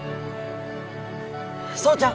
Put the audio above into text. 蒼ちゃん！